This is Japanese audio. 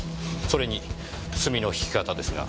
それに墨の引き方ですが。